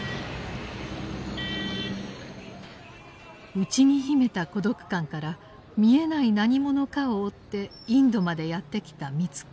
内に秘めた孤独感から見えない何者かを追ってインドまでやって来た美津子。